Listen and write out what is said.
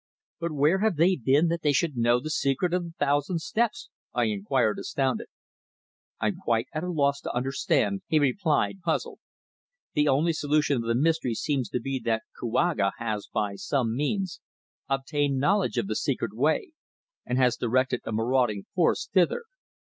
"But where have they been that they should know the secret of the Thousand Steps?" I inquired astounded. "I'm quite at a loss to understand," he replied puzzled. "The only solution of the mystery seems to be that Kouaga has, by some means, obtained knowledge of the secret way, and has directed a marauding force thither.